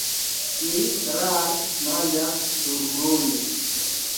Ili rare manĝas surgrunde.